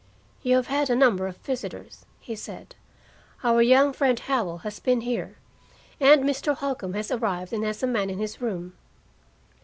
"You have had a number of visitors," he said. "Our young friend Howell has been here, and Mr. Holcombe has arrived and has a man in his room."